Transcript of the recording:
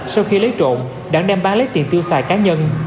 sau khi lấy trộn đảng đem bán lấy tiền tiêu xài cá nhân